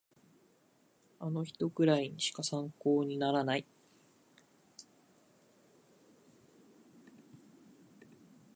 あの人くらいしか参考にならない